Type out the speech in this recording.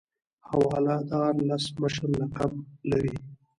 حواله دار لس مشر لقب لري.